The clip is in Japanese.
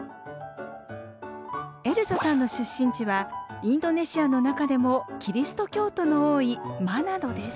エルザさんの出身地はインドネシアの中でもキリスト教徒の多いマナドです。